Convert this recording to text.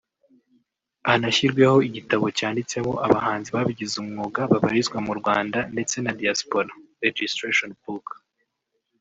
Hanashyirweho igitabo cyanditsemo abahanzi babigize umwuga babarizwa mu Rwanda ndetse na diaspora(registration book)